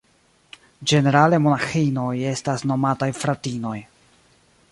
Ĝenerale monaĥinoj estas nomataj "fratinoj".